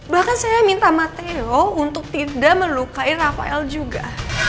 bahkan saya minta mateo untuk tidak melukai rafael juga